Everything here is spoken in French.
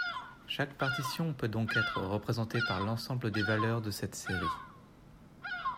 Chaque partition peut donc être représentée par l'ensemble des valeurs de cette série.